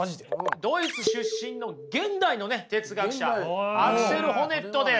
ドイツ出身の現代の哲学者アクセル・ホネットです。